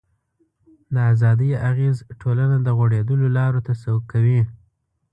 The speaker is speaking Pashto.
د ازادۍ اغېز ټولنه د غوړېدلو لارو ته سوق کوي.